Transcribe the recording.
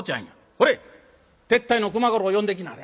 これ手伝いの熊五郎呼んできなはれ。